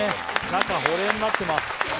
中保冷になってます